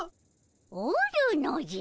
おるのじゃ。